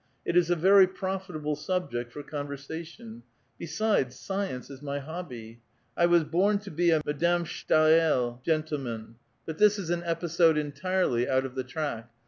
It is a very profitable subject for conversation ; besides, science is my hobby. I was born to be a Madame Stael, «ewW^m^w» 24 A VITAL QUESTION. But this is an episode entirely out of the track.